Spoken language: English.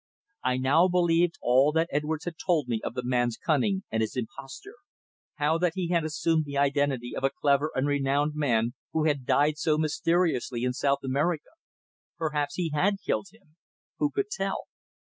I now believed all that Edwards had told me of the man's cunning and his imposture. How that he had assumed the identity of a clever and renowned man who had died so mysteriously in South America. Perhaps he had killed him who could tell?